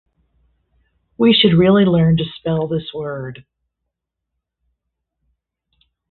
We should really learn to spell this word.